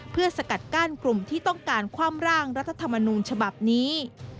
เพื่อสกัดกั้นกลุ่มที่ต้องการคว่ำร่างรัฐธรรมนูญฉบับนี้